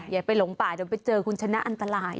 อย่าไปหลงป่าหรือเจอคุณฉันนะอันตราย